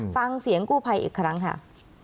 ฟังเสียงกู้ภัยอีกครั้งค่ะ